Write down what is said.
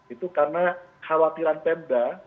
itu karena khawatiran pemda